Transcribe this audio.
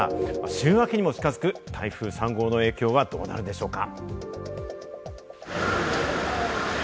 週明けにも近づく台風３号の影響はどうなんでしょうか？